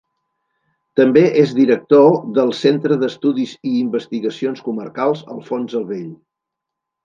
També és director del Centre d'Estudis i Investigacions Comarcals Alfons el Vell.